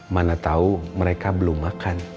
mana tahu mereka belum makan